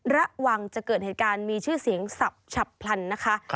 ระวังจะเกิดเหตุการณ์มีชื่อเสียงสับฉับพลันนะคะ